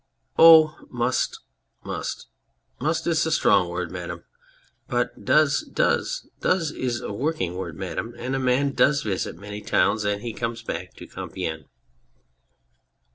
Oh ! Must ! Must ! Must is a strong word, Madame. But Does, Does ; does is a working word, Madame. And a man does visit many towns, and he comes back to Compiegne.